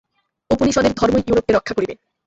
উপনিষদের ধর্মই ইউরোপকে রক্ষা করিবে।